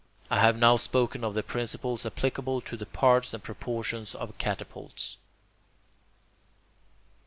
I have now spoken of the principles applicable to the parts and proportions of catapults.